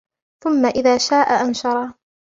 ثم إذا شاء أنشره